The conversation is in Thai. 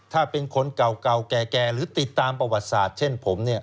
ถ้าเป็นคนเก่าแก่หรือติดตามประวัติศาสตร์เช่นผม